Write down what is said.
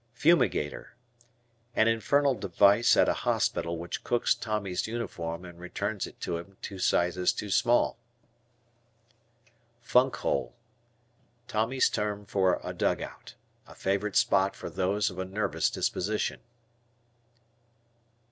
Fumigator. An infernal device at a hospital which cooks Tommy's uniform and returns it to him two sizes too small. "Funk Hole." Tommy's term for a dugout. A favorite spot for those of a nervous disposition.